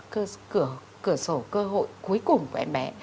cửa sổ cơ hội cuối cùng của em bé